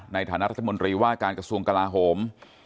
ในฐานะรัฐมนตรีว่าการกระทรวงกลาโหม